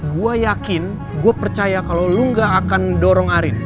gue yakin gue percaya kalau lo gak akan dorong arin